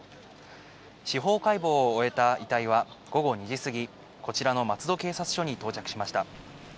司法解剖を終えた遺体は午後２時過ぎ、こちらの松戸警察署に到着しました。